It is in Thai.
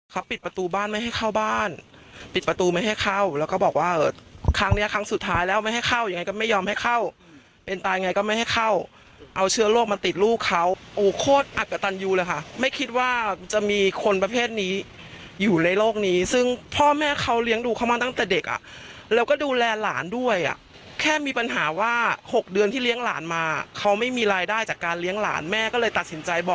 ครับปิดประตูบ้านไม่ให้เข้าบ้านปิดประตูไม่ให้เข้าแล้วก็บอกว่าเอ่อครั้งเนี้ยครั้งสุดท้ายแล้วไม่ให้เข้ายังไงก็ไม่ยอมให้เข้าเป็นตายยังไงก็ไม่ให้เข้าเอาเชื้อโลกมาติดลูกเขาโอ้โคตรอักกตันอยู่เลยค่ะไม่คิดว่าจะมีคนประเภทนี้อยู่ในโลกนี้ซึ่งพ่อแม่เขาเลี้ยงดูเขามาตั้งแต่เด็กอ่ะแล้วก็ดูแลหลานด้